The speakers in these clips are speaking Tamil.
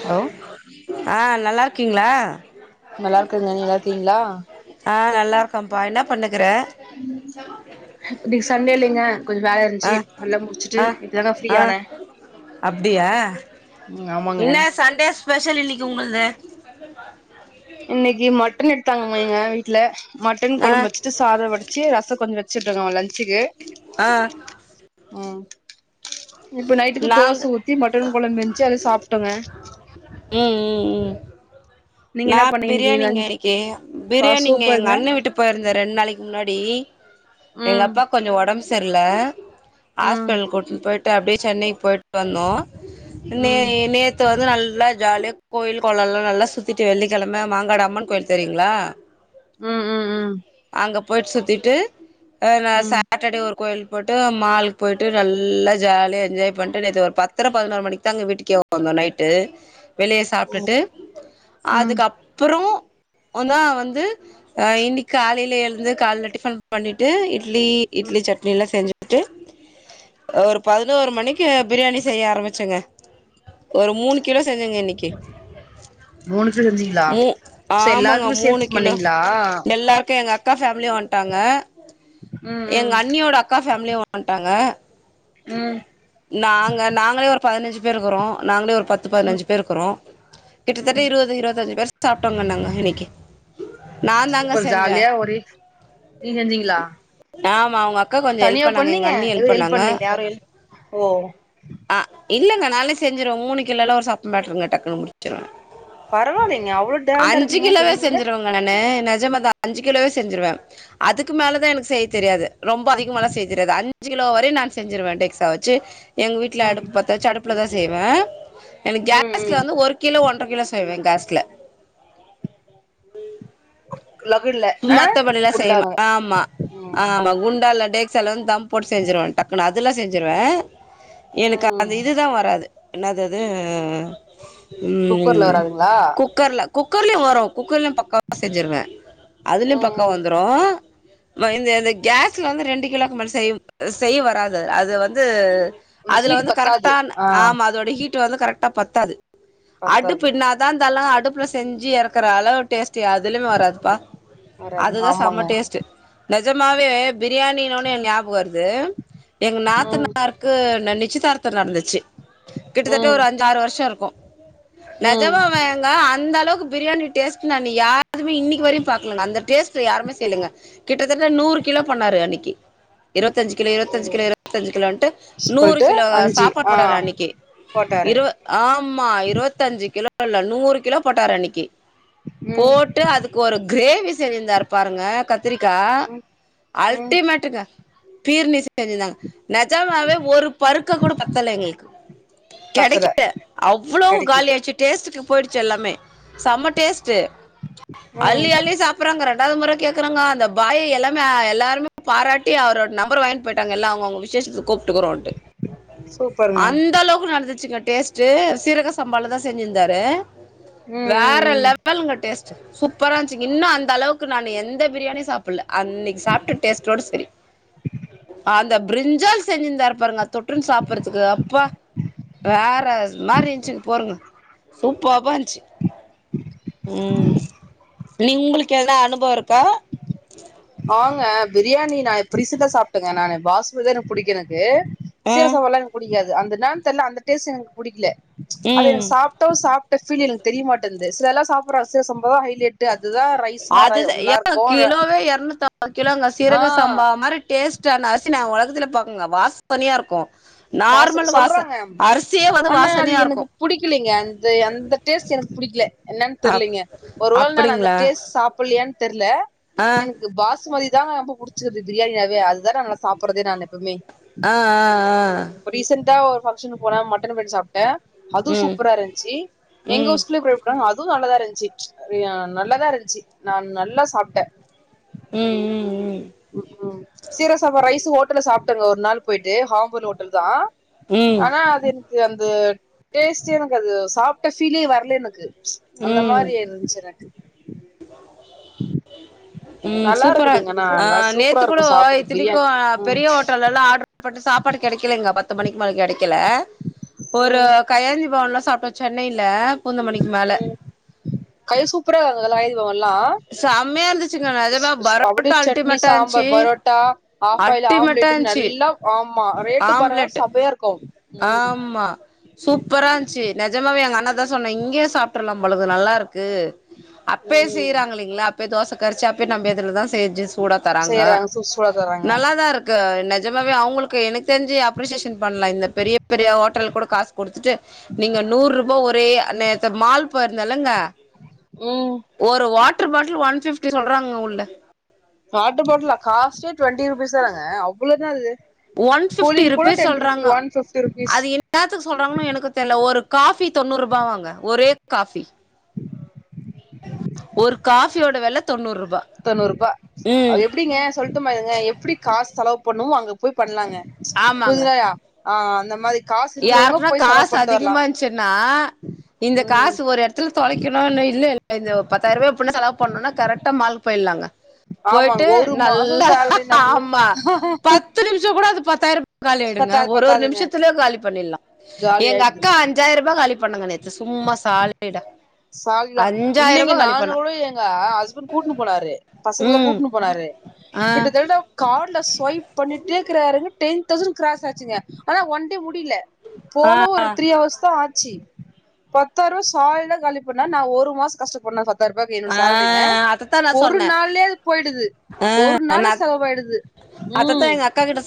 ஹலோ ஆ நல்லா இருக்கீங்ளா நல்லா இருக்கங்க நீங்க நல்லா இருக்கீங்களா ஆ நல்லா இருக்கோப்பா என்ன பண்ணுக்கிற இன்னிக்கு சண்டே இல்லங்க கொஞ்சோ வேல ஆ இருந்துச்சு எல்லா முடிச்சுட்டு ஆ இப்பவே தா ஃப்ரீ ஆ ஆனே அப்டியா ம் ஆமாங்க இல்ல சண்டே ஸ்பெஷல் இன்னிக்கு உங்குள்து [unintelligible] இன்னைக்கு மட்டன் எடுத்தாங்கமா எங்க வீட்ல மட்டன் ஆ கொழம்பு வச்சி சாதம் வடிச்சு ரசோ கொஞ்சோ வச்சுட்டு இருக்கமா லஞ்சுக்கு ஆ உம் இப்ப நைட்டுக்கு நாங்க தோச ஊத்தி மட்டன் கொழம்பு இருன்ச்சி அத சாப்ட்டோங்க உம் உம் உம் நீங்க நா என்ன பண்ணீங்க இன்னைக்கு பிரியாணிங்க லன்ச் இன்னிக்கு பா பிரியாணிங்க எங்க சூப்பருங்க அண்ண வீட்டு போயிருந்த ரெண் நாளைக்கு முன்னாடி எங்க ம் அப்பாக்கு கொஞ்சோ உடம் செர்ல ம் ஹாஸ்பிட்லுக்கு கூட்டுன்னு போயிட்டு அப்படியே சென்னை போயிட்டு வந்தோ நே ம் நேத்து து வந்து நல்லா ஜாலியா கோயில் குலல்லா நல்லா சுத்திட்டு வெள்ளிக்கிழமை மாங்காடு அம்மன் கோயில் தெரியுங்ளா ம் உம் உம் அங்க போயிட் சுத்திட்டு அ நா ம் சாட்டர்டே ஒரு கோயிலு போட்டு மாலுக்கு போயிட்டு நல்லா ஜாலியா என்ஜாய் பண்ணிட்டு நேத்து ஒரு பத்தர பதினோரு மணிக்கு தான்ங்க வீட்டுக்கே வந்தோம் நைட்டு வெளிய சாப்ட்டுட்டு ம் அதுக்கப்றோ தா வந்து ஆ இன்னைக்கு காலையில எழுந்து காலலே டிஃபன் பண்ணிட்டு இட்லி இட்லி சட்னி எல்லா செஞ்சு ட்டு ஒரு பதினோரு மணிக்கு பிரியாணி செய்ய ஆரம்பிச்சங்க ஒரு மூணு கிலோ செஞ்சங்க இன்னைக்கு மூணு கிலோ செஞ்சீங்களா சேரி எல்லாருக்குமே சேத்து பண்ணீங்களா எல்லாருக்கும் எங்க அக்கா ஃபேமிலியும் வந்ட்டாங்க ம் எங்க ம் அண்ணியோட அக்கா ஃபேமிலியும் வந் வன்டாங்க ம் நாங்க நாங்களே ஒரு பதினஞ்சு பேருக்கிறோம் நாங்களே ஒரு பத்து ம் பதினஞ்சு பேரு க்கறோ கிட்டத்தட்ட ம் இருவது இருவத்தஞ்சு பேர் சாப்ட்டோங்க நாங்க இன்னைக்கு சூப்பர் ஜாலியா ஒரே நீங்க செச்சீங்களா ஆமா அவங்க அக்கா கொஞ்சோ ஹெல்ப் பண்ணாங்க எங்க அண்ணி ஹெல்ப் எதுவு பண்ணாங்க பண்ணலீங்க யாரு ஹெல்ப் ஓ ஆ இல்லங்க நாளே செஞ்சுருவே மூணு கிலோல ஒரு சாப்ப மேட்டுருங்க டக்கு முடிச்சு பரவாயில்லைங்க அவ்ளோ டேலண்டா அஞ்சு இருக்கீங்க கிலோவே குக்கிங்ல செஞ்சறவங்க நானு நெஜமா தா அஞ்சு கிலோவே செஞ்சிருவே அதுக்கு மேல தா எனக்கு செய்ய தெரியாது ரொம்ப அதிகமல்லா செய்ய தெரியாது அஞ்சு கிலோ வரையும் நா செஞ்சிருவே டெக்ஸா வச்சு எங்க வீட்டுல ம் அடுப்பு பத்த வச்சு அடுப்புல தா செய்வே எனக்கு ம் கேஸ்ல ம் வந்து ஒரு கிலோ ஒன்ர கிலோ செய்வே கேஸ்ல லகுன்ல ஆ மத்தபடில்லா செய்யமா குண்டாங்க ஆமா ம் ஆமா குண்டால்ல டெக்ஸா சில வந்து தம் போட்டு செஞ்சருவே டக்குன்னு அதெலா செஞ்சருவே எனக்கு ம் அந்த இது தா வராது என்னது இது குக்கர்ல ம் வராதுங்களா குக்கர்ல குக்கர்லயும் வரும் குக்கர்லயும் பக்காவா செஞ்சிருவே அதுலயும் பக்காவா ம் வந்துரும் இந்த இந்த கேஸ்ல வந்து ரெண்டு கிலோக்கு மேல செய்ய செய்ய வராது அது வந்து ம் அதுல ஹீட் வந்து பத்தாது கரெக்டா ஆ ஆமா அதோட ஹீட் வந்து கரெக்டா பத்தாது அடுப்பு பத்தாது என்னாதா தள்ளுங்க அடுப்புல செஞ்சு எறக்கு க்குற அளவு டேஸ்ட்டு எதுலேமே வராதுப்பா வராது அதுதா செம ஆமாங்க டேஸ்ட்டு நெஜமாவே பிரியாணினோன ஞாபகம் வருது எங்க ம் நாத்தனார் க்கு நிச்சயதார்த்தம் நடந்துச்சு கிட்டத்தட்ட ம் ஒரு அஞ்சாறு வருஷோ இருக்கும் ம் நெஜமா வேங்க அந்த அளவுக்கு பிரியாணி டேஸ்ட் நானு யார்ரு அதுவுமே இன்னைக்கு வரையும் பாக்கலங்க அந்த டேஸ்ட் யாருமே செய்யலங்க கிட்டத்தட்ட நூறு கிலோ பண்ணாரு அன்னைக்கு இருபத்த அஞ்சு கிலோ இருவத்தஞ்சு கிலோ இருவத்தஞ்சு கிலோன்ட்டு நூறு கிலோ சாப்பாடு போட்டாறு அன்னைக்கு போட்டார் இருவ ஆமா இருவத்தஞ்சு கிலோ இல்ல நூறு கிலோ போட்டாரு அன்னைக்கு ம் போட்டு அதுக்கு ஒரு கிரேவி செஞ்சுருந்தாரு பாருங்க கத் திரிக்கா ம் ம் அல்டிமேட்டுக்கு பீர் நீச தெரிஞ்சந்தாங்க நெஜமாவே ஒரு பருக்க கூட பத்தல எங்களுக்கு பத்தல கெடைக்கல அவ்வளவு கெடைக்கல காலி ஆயிடிச்சு டேஸ்டுக்கு போயிடுச்சு எல்லாமே செம்ம டேஸ்ட் ம் அள்ளி அள்ளி சாப் ப்றங்க ரெண்டாவது முறை கேக்குறாங்க அந்த பாய் எல்லாமே எல்லாருமே பாராட்டி அவரோட நம்பர் வாங்கிட்டு போயிட்டாங்க எல்லா அவங்க அவங்க விஷேசத்துக்கு கூப்ட்டுக்குறோன்ட்டு சூப்பருங்க அந்த அளவுக்கு நடந்துச்சுங்க டேஸ்ட்டு சீரக சம்பாலதா செஞ்சிருந்தாரு ம் ம் வேற ம் லெவலுங்க டேஸ்ட் சூப்பரா இருந்துச்சுங்க இன்னு அந்த அளவுக்கு நா எந்த பிரியாணியு சாப்பில்ல அன்னெக்கி சாப்ட்ட டேஸ்ட்டோட செரி அந்த பிரிஞ்சால் செஞ்சிருந்தார் பாருங்க அது தொட்டுனு சாப்றதுக்கு அப்பா வேற மாரி இருன்ச்சு போருங்க சூப்பர்வா இரு ம் நி உங்களுக்கு ஏதனா அனுபவோ இருக்கா ஆங்க பிரியாணி நா இப்ப ரீசன்டா சாப்டேங்க நானு பாஸ்மதிதா புடிக்கு எனக்கு ஆ சீரக சம்பாலா எனக்கு புடிக்காது அந்த என்னானு தெர்ல அந்த டேஸ்டு எனக்கு புடிக்கல அந்த ம் எனக்கு சாப்ப ப்ட்டு சாப்ட்ட ஃபீல் எனக்கு தெரியமாட்டேங்து சிலர்ல்லா சாப்டுறாங்க சீரகசம்பாதா ஹைலைடு அதுதா ரைஸ்னா ரை அதுதா நல்லா ஏங்க இருக்கு கிலோவே எரநூத்துஅம்பது கிலோங்க ஆ சீரக சம்பா அந்த மாரி டேஸ்டுனா அரிசி நா ஒலகத்துல பாக்கேலங்க வாசனையா இருக்கு நார்மல் வாச அரிசியே வந்து வாசனயா இருக்கு புடிக்கலேங்க அந்த அந்த டேஸ்டு எனக்கு புடிக்கல என்னனு அப் தெரியலங்க ஒருவேள நா அந்த அப்டிங்களா டேஸ்டு சாப் பில்லயானு தெர்ல ஆ எனக்கு பாஸ்மதி தா ரொம்ப புடி ச்சது பிரியாணினாவே அதுதா நல்லா சாப்பட்றது நானு எப்போமே ஆ ஆ ஆ இப்ப ரீசெண்டா ஒரு ஃபங்க்ஷனு போன மட்டன் பிர்யாணி சாப்டே அதுவு ம் சூப்பரா இருன்ச்சி எங்க ம் ஊர்சை அதுவு நல்லதா இருன்ச்சு அ நல்லதா இருன்ச்சு நா நல்லா சாப்டே ம் ம் ம் ம் ம் சீரக சம்பா ரைஸூ ஹோட்டல்ல சாப்ட்டேங்க ஒரு நாள் போயிட்டு ஹாம்பூர் ஹோட்டல் தா ம் ஆனா அது எனக்கு அந்த டேஸ்டே எனக்கு அது சாப்ட்ட ஃபீலே வர்ல எனக்கு அந்த ம் மாரி ம் இருன்ச்சு எனக்கு ம் நல்லா சூப்பரா இருக்குதுங்க ஆனா ஆ நல்லா சூப்பரா நேத்துக்கூட இருக்கு ஆ சாப்புட்றதுக்கு இத்தனிக்கு பிரியாணி ம் பெரிய ஹோட்டலெல்லா ஆடர் போட்டு சாப்பாடு கிடைக்கலேங்க பத்து மணிக்கு மேல கெடைக்கல ஒரு ம் கையேந்தி பவன்ல சாப்டோ சென்னையில பூந்த மல்லிக்கு மேல ம் கை சூப்பரா இருக்கெல்லா கையேந்தி பவன்லா செம்மையா இருந்துச்சுங்க ஸ் நெஜமா ஸ் அப்டி பரோட்டா சட்னி அல்டிமேட்டா இருந்துச்சு சாம்பார் பரோட்டா ஆஃப்ஆய்லு அல்டிமேட்டா ஆம்லேடுனு இருந்துச்சு நல்லா ஆமா ரேட்டு பரவா ஆம்லெட் செமயா இருக்கு ம் ஆமா சூப்பரா இருன்ச்சு நெஜமாவே எங்க அண்ணதா சொன்னா இங்கயே சாப்ட்றலா போலக்குது நல்லா இருக்கு அப்யே ம் செய்றாங்கயிளேங்ளா அப்யே தோச கரச்சு அப்ப ப்ப நம்ம எதுர்ல தா செஞ்சு சூடா தராங்க செய்யறாங்க சூடு சூடா தராங்க நல்லாதா இருக்கு நெஜமாவே அவுங்களுக்கு எனக்கு தெரிஞ்சு அப்ரிசியேஷன் பண்ணலா இந்த பெரிய பெரிய ஹோட்டல் கூட காசு கொடுத்துட்டு நீங்க நூறு ரூபாய ஒரே நேத்து மால் போயிருந்தலங்க ம் ஒரு வாட்டர் பாட்டில் ஒன் ஃபிப்டி சொல்றாங்க உள்ள வாட்டர் பாட்லா காஸ்ட்டே டுவெண்ட்டி ருபீஸ் தானங்க அவ்ளோ என்ன அது ஒன் ஃபிப்டி கூலிங் கூட ருபீஸ் டென் ருபி சொல்றாங்க ஒன் ஃபிப்டி ருபீஸ் அது என் னாதுக்கு சொல்றாங்கனு எனக்கு தெர்ல ஒரு காஃபி தொண்ணூறு ரூபா வாங்க ஒரே காஃபி ஒரு காஃபியோட வெல தொண்ணூறு ரூபா தொண்ணூறு ரூபா ம் எப்டிங்க சொல்ட்டுபாருங்க எப்டி காசு செலவு பண்ணுமோ அங்க போய் பண்லாங்க புரிதாயில்லையா அ அந்த மாரி காசு இருக்கிறவங்க யாருக்குனா போய் செலவு காசு பண்ட்டு வரலா அதிகமா இருந்ச்சுனா இந்த ம் காசு ஒரு எடத் துல தொலைக்கணுனு இல்லேல இந்த பத்தாயிர் ரூபாவ செலவு பண்ணும்னா கரெக்டா மால்க்கு போயிட்லாங்க ஆமாங்க போயிட்டு ஒரு மாசோ நல்லா சேலரி நம்மளுக்கு ஆமா ப த்து நிமிஷோ கூட அது பத்தாயிரோ காலி ஆய்டுங்க பத்தாது ஒரு ஒரு பத்தாதுங்க நிமிஷத்லே காலி பணிடலா காலி எங்க ஆயிடுது அக்கா அஞ்சாயிர ரூபா காலி பண்ணாங்க நேத்து சும்மா சாலிடா சால்வியா அஞ்சாயிரம் இல்லேங்க ரூபாய் காலி நானு பண்ணா கூட எங்க ஹஸ்பண்ட் கூட்னு போனாரு பசங்கல ம் கூட்னு போனாரு ஆ கிட்டதட்டா காட்ல ஸ்வைப் பண்ணிட்டே இக்குறாருங்க டென் தௌசண்ட் கிராஸ் ஆச்சுங்க ஆனா ஒன் டே முடில ஆ போனா ஒரு த்ரீ ஹவர்ஸ் தா ஆச்சி பத்தாயிர்வா ர சாலிடா காலி பண்ணா நா ஒரு மாசோ கஷ்டப்பட்னு பத்தாயிர்பாய்க்கு என்னோட ஆ சேல்ரிங்க அதத்தான் நான் ஒரு சொன்னேன் நாள்லே அது பொயிடுது ஆ ஒரு நாள்ல நா செலவாயிடுது ம்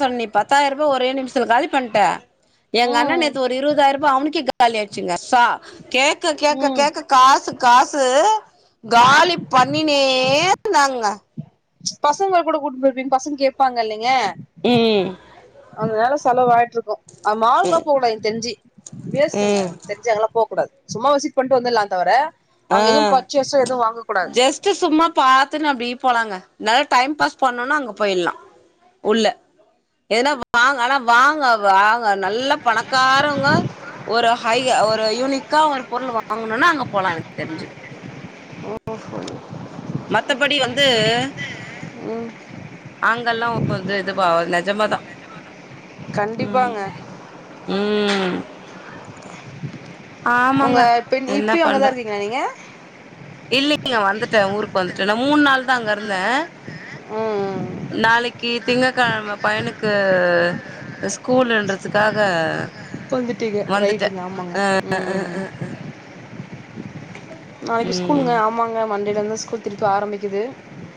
சொன் நீ பத்தாயிர்பா ஒரே நிமிஷதுல காலி பண்ட்டா எங்க அண்ணே ம் நேத்து ஒரு இருவதாயிர்பா அமிக்கி காலியாச்சுங்க சா கேக்க கேக்க ம் கேக்க காசு காசு காலி பண்ணினே இருந்தாங்க பசங்க கூட கூட்னு பொயிருப்பீங்க பசங்க கேப்பாங்க இல்லைங்க ம் அதனால செலவாயிட்ருக்கு அ மாலுக்குலா போ எனக்கு தெரிஞ்சி ம் வேஸ்ட்டுங்க ம் தெரி ஞ்சி அங்கலா போ கூடாது சும்மா விசிட் பண்ட்டு வந்தர்லா தவர ஆ ஜெஸ் டு சும்மா பாத்துன்னு அப்டி போனாங்க நல்லா டைம் பாஸ் பண்ணுனா அங்க பொயிலா உள்ள ஏனா வாங்க ஆனா வாங்க வாங்க நல்ல பணக்காரோங்க ஒரு ஹை ஒரு யுனிக்கா ஒரு பொருள் வாங்கணுன்னா அங்க போலா எனக்கு தெரிஞ்சி ஓஹோ ஓ மத்தபடி வந்து ம் அங்கெல்லா ஓ இது இதுவா நெஜமாதா ம் கண்டிப்பாங்க ம் ஒங்க ஆமாங்க தின் என்ன இப்பியு அங்கதா பண்ற இருக்கீங்ளா நீங்க இல்லைங்க வந்துட்டே ஊருக்கு வந்துட்டே நா மூண் நாள் தா அங்க இருந்தே ம் நாளைக்கு திங்க கெழம பயனுக்கு ஸ் கூலுன்றதுக்காக வந்துட்டீங்க வந்துட்டே ரைட்டுங்க ஆமாங்க அ அ ம் அ அ நாளைக்கு ஸ்கூலுங்க ம் ஆமாங்க மண்டேல இருந்து ஸ்கூல் திருப்பி ஆரம்பிக்குது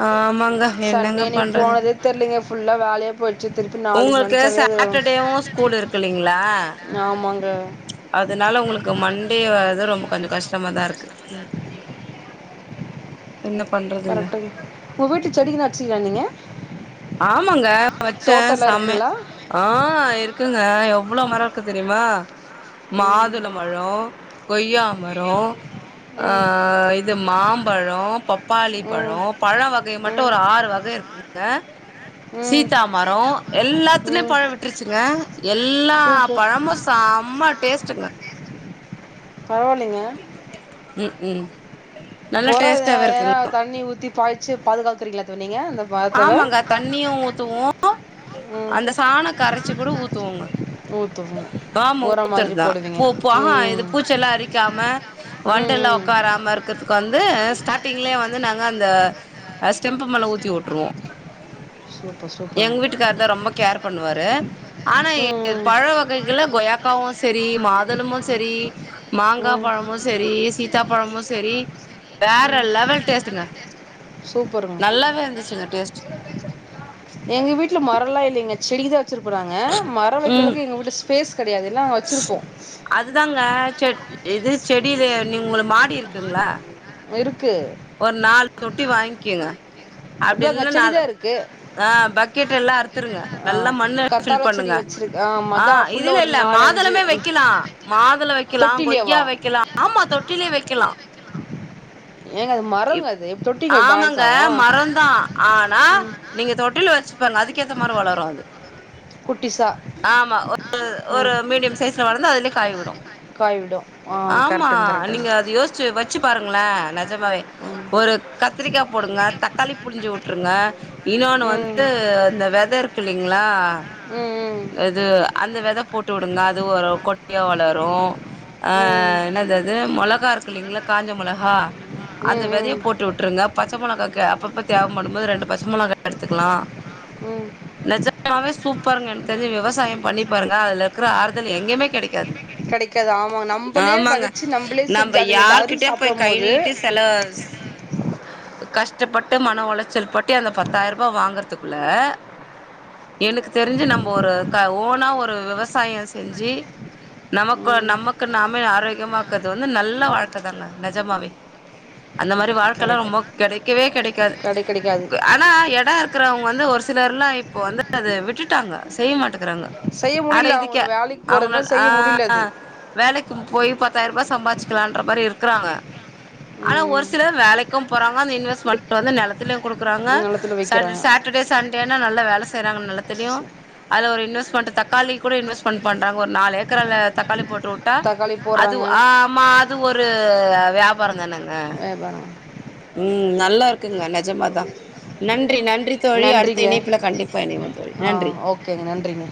ஆமாங்க என்னங்க பண்றது தெர்லைங்க ஃபுல்லா வேலையா போச்சி திருப்பி நாளைக்கு உங்களுக்கு நெனச்சாவே அது சாட்டர்டேவு ஸ்கூல் இருக்கு இல்லைங்களா ஆமாங்க அதனால ஒங்ளுக்கு மண்டே வரது ரொம்ப கொஞ்ச கஷ்டமாதா இருக்கு ம் ம் என்ன பண் ஒங்க வீட்டு செடிக்கு எதனா வச்சிங்ளா நீங்க ஆமாங்க வச்சே தோட்டல்லா சம்ம இருக்குங்களா ஆ இருக்குங்க எவ்ளோ மரோ இருக்கு தெரிமா ம் மாதுளபழோ கொய்யா மரோ அ ம் இந் த மாம்பழோ பப்பாளிப்பழோ பழ வகை மட்டு ம் ஒரு ஆறு வகை இருக்குங்க ம் ம் சீத்தா மரோ எல்லாத்துலு ம் பழ விட்ருச்சுங்க எல்லா சூப்பர் பழமு சம்ம டேஸ்ட்டுங்க பரவாலைங்க ம் ம் நல்லா ஒர எதுனா டேஸ்ட்டாவே ஏனா இருக்குங்க தண்ணி ஊத்தி பாய்ச்சி பாதுகாக்குறீங்களா தோழி நீங்க அந்த மரத்தவ ஆமாங்க தண்ணியு ஊத்துவோ ம் அந்த சாண கரைச்சி குட ஊத்துவோங்க ஊத்துவோம் ஆமா உர மாதிரி ஊத்தர்தா போடுவீங்க ஆ இது ம் பூச்செ எல்லா அரிக்காம வண்ட ம் எல்லா ம் உட்காராம இருக்கிறதுக்கு வந்து ஸ்டார்ட்டிங்லயே வந்து நாங்க அந்த ஸ்டெம்பு மேல ஊத்தி உட்ருவோ சூப்பர் எங்க சூப்பருங்க வீட்டுக்கார்தா ரொம்போ கேர் பண்ணுவாரு ஆனா ம் பழ வகைகள்ல கொயாக்காவு சேரி மாதுளமு சேரி மாங்கா ம் பழமோ சேரி சீதாப்பழமு சேரி வேற ம் லெவல் டேஸ்ட்டுங்க சூப்பருங்க நல்லாவே இருந்துச்சுங்க டேஸ்ட்டு எங்க வீட்டுல மரம் எல்லா இல்லங்க செடிதா வச்சிருப்போ நாங்க மரோ ம் வேக்றளவுக்கு எங்க வீட் ஃபேஸ் கெடயாது எல்லா வச்சுருப்போ அதுதாங்க செ இது செடியில் நீ உங்கள மாடி இருக்குங்களா இருக்கு ஒரு நாலு தொட்டி வாங்கிக்கங்க அப்டி அதாங்க இல்ல நாலு செடிதா இருக்கு ஆ பக்கெட் எல்லா அறுத்துருங்க ஆ நல்லா மண்ண கத்தாழ ஃபில் செடி பண்ணுங்க வச்சிருக்கு ஆமா ஆ அதான் ஃபுல்லா இதுல ஒரு இல்ல நாலஞ்சு மாதுளமே ம். வைக்கலா மாதள வைக்கலா கொய்யா தொட்டிலியவா வைக்கலா ஆமா தொட்டிலயே வைக்கலா ஏங்க அது இப் மரங்க அது எப்படி தொட்டிங்க பேலன்ஸ் ஆமாங்க ஆகும் மரந்தா ஆனா ம். நீங்க தொட்டில வச்சுப்பாங்க அதுக்கேத்த மாரி வளரும் அது குட்டிஸா ஆமா ஒரு ஒரு மீடியம் சைஸ்ல வளந்த அதுலே காய் விடு காய் விடும் ஆ ஆமா கரெக்டுங்க கரெக்டுங்க நீங்க அது யோ ச்சு வச்சு பாருங்கள நெஜமாவே ஒரு கத்திரிக்கா போடுங்க தக்காளி புளிஞ்சு விட் ருங்க இன்னொனு ம் வந்து அந்த வெத இருக் இல்லைங்ளா ம் ம் அது அந்த வெத போட்டு உடுங்க அது வரு கொட்டியா வளரு அ ம் என்னது அது மொளகா இருக்கு இல்லைங்ளா காஞ்ச மொளகா அந்த ம் வெதய ம் போட்டு விட்ருங்க பச்ச மொளகாக்கு அப்பப்ப தேவப்படும்போது ரெண்டு பச்ச மொளகா எடுத்துக்கலா ம் நெஜமாவே சூப்பருங்க எனக் தெரிஞ்சு விவசாயம் பண்ணி பாருங்க அதுல இருக்கற ஆறுதல் எங்கயமே கெடைக்காது கிடைக்காது ஆமாங்க நம்மளே ஆமாங்க விதைச்சு நம்மளே செஞ்சு நம்ம அதை எடுத்து அறுத்து யார்கிட்டே போய் சாப்பிடும் கை போது நீட்டி செலவு கஷ்டப்பட்டு மன உளைச்சல் பட்டு அந்த பத்தாயிருபா வாங்கறதுக்குள்ள எனக்கு தெரிஞ்சு நம்ம ஒரு க ஓனா ஒரு விவசாயம் செஞ்சு நமக்கு நமக்கு நாமே ஆரோக்கியமாக்குறது வந்து நல்ல வாழ்க்க தாங்க நெஜமாவே அந்த மாரி வாழ்க்கல்லா கரெக்ட் ரொம்ப கெடைக்கவே கெடைக்காது கிடை கிடைக்காது அக் ஆனா எடம் இருக்குறவங்க வந்து ஒரு சிலர்லா இப்போ வந்து அத விட்டுட்டாங்க செய்ய மாட்டுக்குறாங்க செய்ய அட முடியல இதுக்கே அவங்களுக்கு வேலைக்கு அவங்களா போகிறதுலாம் ஆ செய்ய முடியல அது வேலைக்கு போய் பத்தாயிருபா சம்பாச்சிக்லான்ற மாரி இருக்கிறாங்க ஆனா ம், ஒரு சில வேலைக்கு போறங்க அந்த இன்வெஸ்மண்ட் வந்து நெலத்துலயா குடுக்குறாங்க நிலத்துல ச வைக்கிறாங்க சாட்டர்டே சண்டேனா நல்லா வேல செய்றாங்க நெலத்துலயு அது ஒரு இன்வெஸ்மண்ட் தக்காளி கூட இன்வெஸ்மெண்ட் பண்றாங்க ஒரு நாலு ஏக்கர் அதல தக்காளி போட்டு உட்டா தக்காளி அது போடுறாங்க ஆமா அது ஒரு வியாபாரம் தானங் வே பண உம் நல்லா இருக்குங்க நெஜமாதா நன்றி நன்றி தோழி அடுத்த நன்றிங்க இணைப்பில் கண்டிப்ப இணைவோம் தோழி ஆ நன்றி ஓகேங்க நன்றிங்க